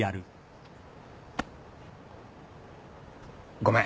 ごめん。